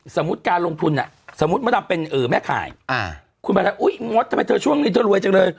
สมมุติการลงทุนสมมุติมดดำเป็นแม่ข่ายคุณประดำอุ๊ยงดทำไมเธอช่วงนี้เธอรวยจังเลย